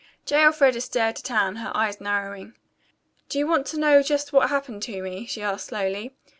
J. Elfreda stared at Anne, her eyes narrowing. "Do you want to know just what happened to me?" she asked slowly.